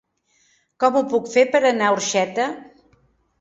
Com ho puc fer per anar a Orxeta?